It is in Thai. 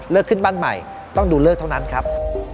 ขึ้นบ้านใหม่ต้องดูเลิกเท่านั้นครับ